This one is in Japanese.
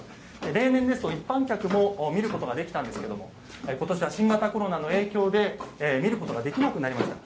例年ですと一般客も見ることができたんですがことしは新型コロナの影響で見ることができなくなりました。